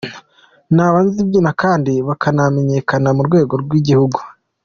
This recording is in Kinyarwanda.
naba zibyina kandi bakanamenyekana mu rwego rwigihugu.